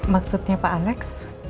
maksudnya pak alex